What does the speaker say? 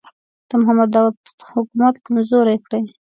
د محمد داوود حکومت کمزوری کړي.